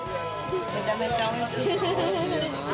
めちゃめちゃ美味しいです。